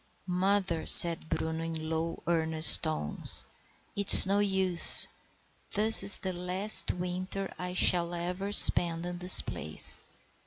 "Mother," said Bruno, in low, earnest tones, "it's no use. This is the last winter I shall ever spend in this place.